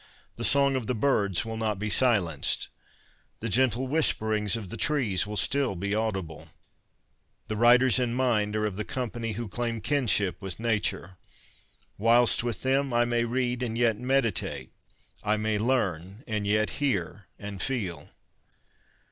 The song of the birds will not be silenced. The gentle whisperings of the trees will still be audible. The writers in mind are of the company who claim kinship with Nature. Whilst with them I may read and yet meditate. I may learn and yet hear and feel.